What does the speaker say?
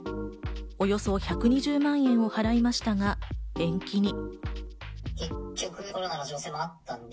およそ１２０万円を払いましたが延期に。